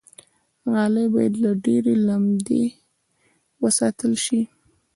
غالۍ باید له ډېرې لمدې وساتل شي.